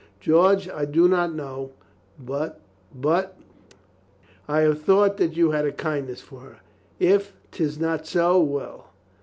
"George, I do not know, but — but I have thought that you had a kindness for her. If 'tis not so, well.